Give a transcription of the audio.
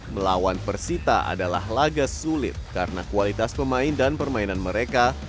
melawan persita adalah laga sulit karena kualitas pemain dan permainan mereka